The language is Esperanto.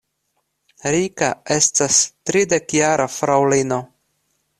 Rika estas tridekjara fraŭlino.